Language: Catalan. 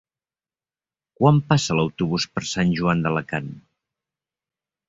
Quan passa l'autobús per Sant Joan d'Alacant?